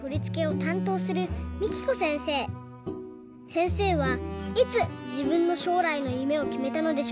せんせいはいつじぶんのしょうらいのゆめをきめたのでしょうか？